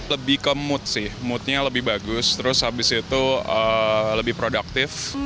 lebih ke mood sih moodnya lebih bagus terus habis itu lebih produktif